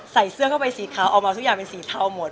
ใส่เสื้อเข้าไปสีขาวออกมาทุกอย่างเป็นสีเทาหมด